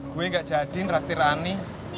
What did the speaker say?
gue gak jadi raktir ani